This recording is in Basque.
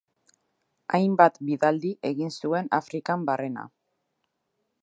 Hainbat bidaldi egin zuen Afrikan barrena.